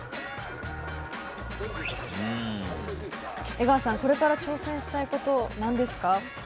江川さん、これから挑戦したいことは何ですか？